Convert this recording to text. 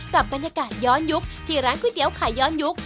กับบรรยากาศย้อนยุคที่ร้านก๋วยเตี๋ยวไข่ย้อนยุค